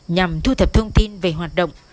nhằm thu thập thông tin về hoạt động